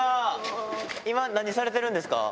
今、何されてるんですか？